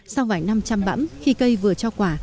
sau vài năm chăm bãm khi cây vừa cho quả